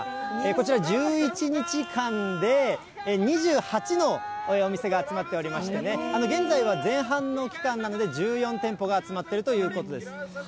こちら１１日間で２８のお店が集まっておりましてね、現在は前半の期間なので１４店舗が集まっているということです。